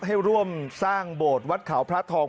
ให้ร่วมสร้างโบสถ์วัดเขาพระทอง